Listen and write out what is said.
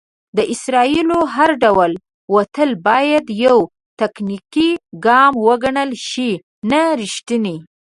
د اسرائیلو هر ډول وتل بايد يو "تاکتيکي ګام وګڼل شي، نه ريښتينی".